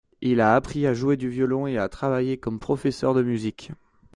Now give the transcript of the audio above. Il a appris à jouer du violon et a travaillé comme professeur de musique.